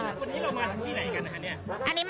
คุณที่เรามาที่ไหนกันคะเนี่ย